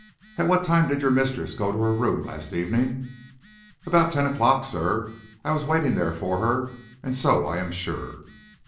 "At what time did your mistress go to her room last evening?" "At about ten o'clock, sir. I was waiting there for her, and so I am sure."